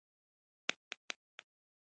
هوښیارتیا د سړي ښکلا ده دا حقیقت دی.